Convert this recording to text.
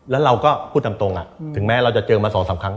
แล้วเราก็พูดตามตรงถึงแม้เราจะเจอมา๒๓ครั้ง